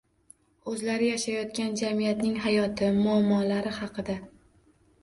O‘zlari yashayotgan jamiyatning hayoti, muammolari haqida